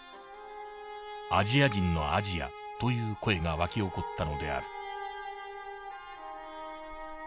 アジア人のアジアという声が沸き起こったのである」。